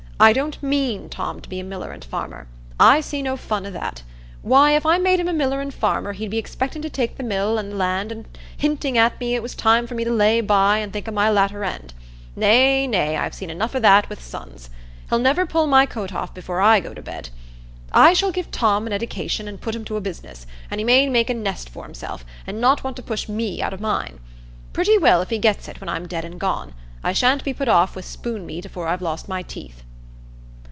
I don't mean Tom to be a miller and farmer. I see no fun i' that. Why, if I made him a miller an' farmer, he'd be expectin' to take to the mill an' the land, an' a hinting at me as it was time for me to lay by an' think o' my latter end. Nay, nay, I've seen enough o' that wi' sons. I'll never pull my coat off before I go to bed. I shall give Tom an eddication an' put him to a business, as he may make a nest for himself, an' not want to push me out o' mine. Pretty well if he gets it when I'm dead an' gone. I sha'n't be put off wi' spoon meat afore I've lost my teeth."